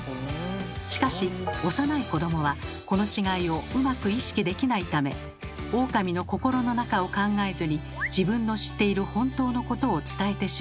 しかし幼い子どもはこの違いをうまく意識できないためオオカミの心の中を考えずに自分の知っている本当のことを伝えてしまうのです。